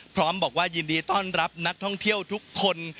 พร้อมบอกว่ายินดีต้อนรับนักท่องเที่ยวทุกคน